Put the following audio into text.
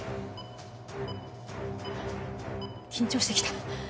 緊張してきた。